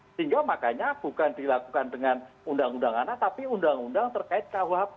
sehingga makanya bukan dilakukan dengan undang undang kuap